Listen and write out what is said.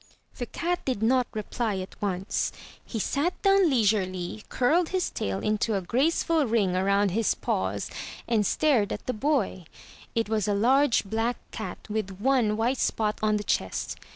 The cat did not reply at once. He sat down leisurely, curled his tail into a graceful ring around his paws — and stared at the boy. It was a large black cat with one white spot on the chest.